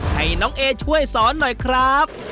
ให้น้องเอช่วยสอนหน่อยครับ